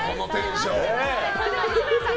それでは西村さん